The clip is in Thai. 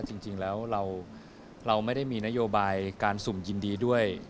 จริงแล้วเราไม่ได้มีนโยบายการสุ่มยินดีด้วย